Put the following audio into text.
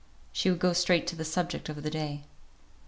She would go straight to the subject of the day.